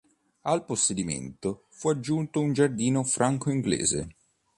Al possedimento fu aggiunto un giardino franco-inglese.